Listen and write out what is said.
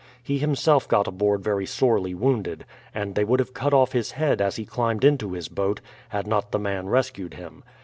He himself got aboard very sorely wounded, and they would have cut off his head as he climbed into his boat, had not the man rescued him.